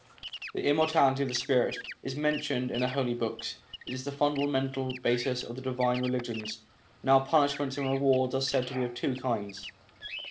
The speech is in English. The immortality of the spirit is mentioned in the Holy Books ; it is the fundamental basis of the divine religions. Now punishments and rewards are said to be of two kinds.